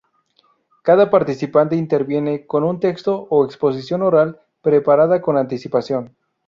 Cada participante interviene con un texto o exposición oral preparada con anticipación.